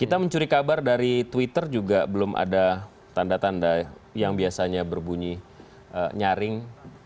kita mencuri kabar dari twitter juga belum ada tanda tanda yang biasanya berbunyi nyaring